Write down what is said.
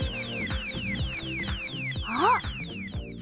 あっ！